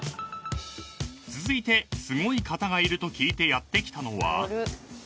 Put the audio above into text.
［続いてすごい方がいると聞いてやって来たのは］